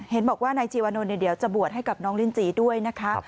เห็นบอกว่านายจีวนเดี๋ยวจะบวชให้กับน้องลินจีด้วยนะคะ